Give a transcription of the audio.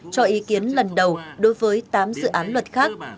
cho ý kiến lần đầu đối với tám dự án luật khác